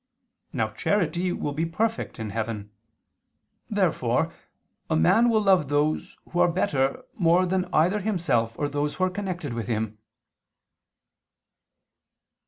Now charity will be perfect in heaven. Therefore a man will love those who are better more than either himself or those who are connected with him.